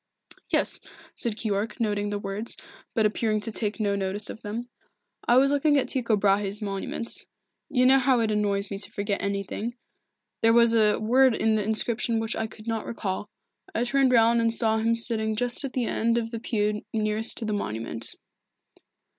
"Yes," said Keyork, noting the words, but appearing to take no notice of them. "I was looking at Tycho Brahe's monument. You know how it annoys me to forget anything there was a word in the inscription which I could not recall. I turned round and saw him sitting just at the end of the pew nearest to the monument."